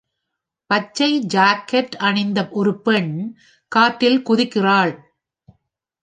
பச்சை ஜாக்கெட்ட அணிந்த ஒரு பெண் காற்றில் குதிக்கிறாள்.